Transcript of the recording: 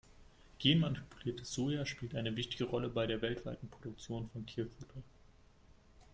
Genmanipuliertes Soja spielt eine wichtige Rolle bei der weltweiten Produktion von Tierfutter.